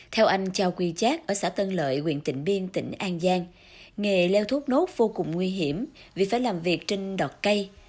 theo anh chào quy chác ở xã tân lợi quyện tịnh biên tỉnh an giang nghề leo thốt nốt vô cùng nguy hiểm vì phải làm việc trên đọt cây